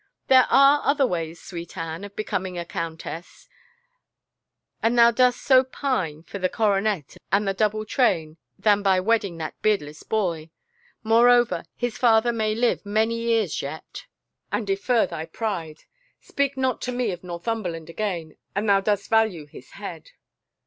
" There are other ways, swefet Anne, of becoming a countess, an thou dost so pine for the coronet and the double train, than by wedding that beardless boy. More over, his father may live many years yet and defer thy 7 75 THE FAVOR OF KINGS pride. ... Speak not to me of Northumberland again, an thou dost value his head."